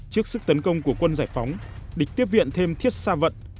trước sức tấn công của quân giải phóng địch tiếp viện thêm thiết sa vận